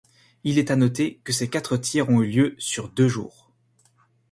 Il est à noter que ces quatre tirs ont eu lieu sur deux jours.